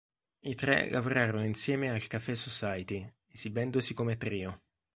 I tre lavorarono insieme al Cafè Society, esibendosi come trio.